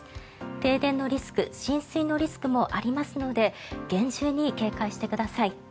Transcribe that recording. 停電のリスク浸水のリスクもありますので厳重に警戒してください。